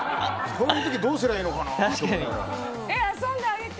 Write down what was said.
その時どうすりゃいいのかなって。